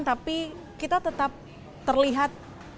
tapi kita tetap terlihat